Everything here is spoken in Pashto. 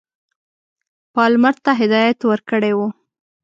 پالمر ته هدایت ورکړی وو.